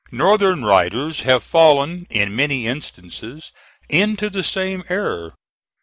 Northern writers have fallen, in many instances, into the same error.